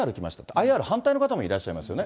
ＩＲ、反対の方もいらっしゃいますよね。